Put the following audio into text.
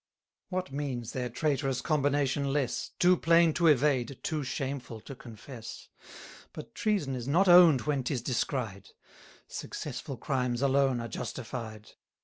What means their traitorous combination less, Too plain to evade, too shameful to confess! But treason is not own'd when 'tis descried; Successful crimes alone are justified.